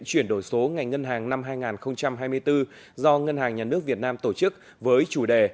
chuyển đổi số ngành ngân hàng năm hai nghìn hai mươi bốn do ngân hàng nhà nước việt nam tổ chức với chủ đề